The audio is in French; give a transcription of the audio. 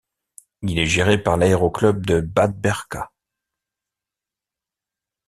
Il est géré par l'aéro-club de Bad Berka.